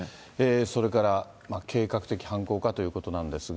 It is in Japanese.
それから計画的犯行かということなんですが。